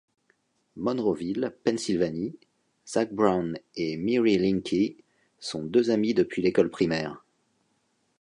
Monroeville, Pennsylvanie, Zack Brown et Miri Linky sont deux amis depuis l'école primaire.